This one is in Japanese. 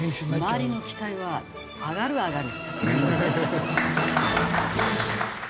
周りの期待は上がる上がる。